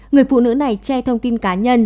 người phụ nữ này che thông tin cá nhân